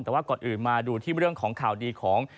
แต่ว่าก่อนอื่นมาดูที่เรื่องของข่าวดีของ